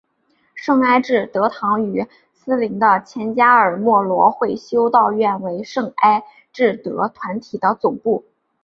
圣艾智德堂与毗邻的前加尔默罗会修道院为圣艾智德团体的总部。